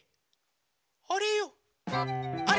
あれ？